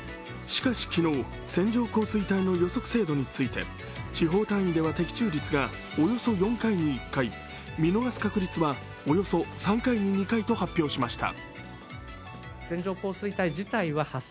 しかし昨日、線状降水帯の予測精度について地方単位では的中率がおよそ４回に１回、見逃す確率はおよそ３回に２回と発表しました。